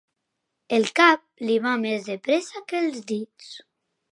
El cap li va més de pressa que els dits.